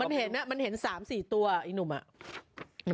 มีอย่างไปดีกว่า๓๔ตัวนิกนึ่งอ่ะ